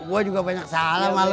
buah juga banyak salam sama mbak ben